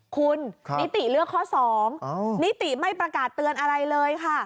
คุณนิติเลือกข้อ๒นิติไม่ประกาศเตือนอะไรเลยค่ะ